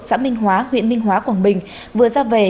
xã minh hóa huyện minh hóa quảng bình vừa ra về